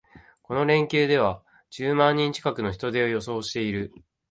この連休では十万人近くの人出を予想している